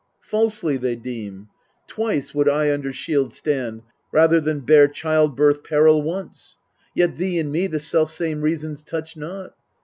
Falsely they deem : twice would I under shield Stand, rather than bear childbirth peril once. Yet thee and me the selfsame reasons touch not.